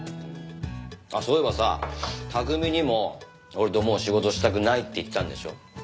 そういえばさ拓海にも俺ともう仕事したくないって言ったんでしょ？